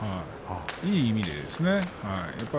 いい意味でですね。